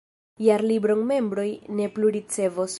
Jarlibron membroj ne plu ricevos.